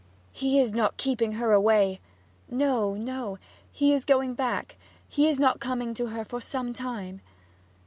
'He is not keeping her away?' 'No, no. He is going back he is not coming to her for some time.'